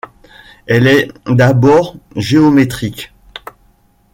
Elle est d'abord géométrique.